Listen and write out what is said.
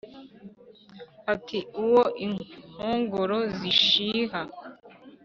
Ati: "Uwo inkongoro zishiha